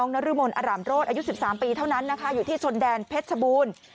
นรมนอร่ำโรศอายุ๑๓ปีเท่านั้นนะคะอยู่ที่ชนแดนเพชรชบูรณ์